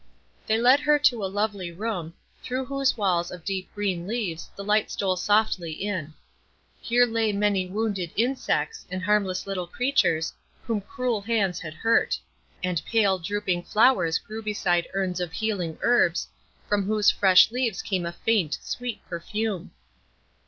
They led her to a lovely room, through whose walls of deep green leaves the light stole softly in. Here lay many wounded insects, and harmless little creatures, whom cruel hands had hurt; and pale, drooping flowers grew beside urns of healing herbs, from whose fresh leaves came a faint, sweet perfume.